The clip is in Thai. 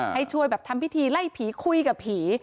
ให้ช่วยแบบทำพิธีไล่ผีคุยกับผี